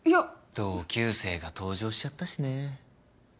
同級生が登場しちゃったしね。